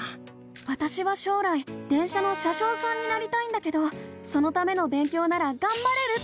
わたしは将来電車の車しょうさんになりたいんだけどそのための勉強ならがんばれるって思ったの！